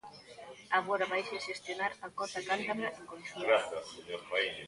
Agora vaise xestionar a cota cántabra en conxunto.